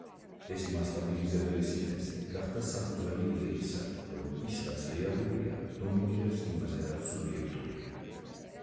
ეს მასტაბილიზებელი სინთეზი გახდა საფუძველი იდეისა, რომ ის რაც „რეალურია“ დომინირებს იმაზე რაც სუბიექტურია.